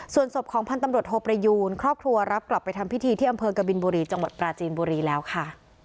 ส่วนศพของพันธ์ตำรวจโทประยูนครอบครัวรับกลับไปทำพิธีที่อำเภอกบินบุรีจังหวัดปราจีนบุรีแล้วค่ะ